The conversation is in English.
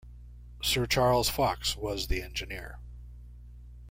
Sir Charles Fox was the engineer.